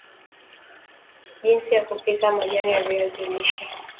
jinsi ya kupika majani ya viazi lishe